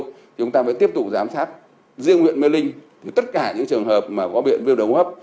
thì chúng ta phải tiếp tục giám sát riêng huyện mê linh tất cả những trường hợp mà có biện viêm đồng hấp